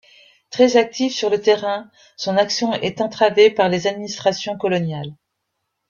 Très active sur le terrain, son action est entravée par les administrations coloniales.